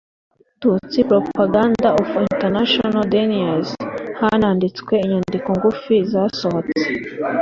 tutsi propaganda of international deniers hananditswe inyandiko ngufi zasohotse